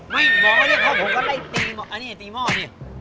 ไม่หมอไม่เรียกเข้าผมก็ได้ตีหม้ออันนี้ตีหม้อสิ